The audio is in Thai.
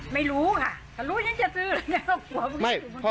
ไม่รู้ค่ะถ้ารู้ฉันจะซื้อแล้วก็กลัว